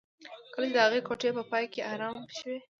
کله چې د هغه ګوتې په پای کې ارامې شوې